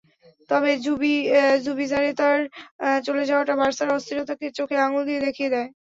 তবে জুবিজারেতার চলে যাওয়াটা বার্সার অস্থিরতাকে চোখে আঙুল দিয়ে দেখিয়ে দেয়।